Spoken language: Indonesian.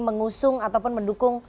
mengusung ataupun mendukung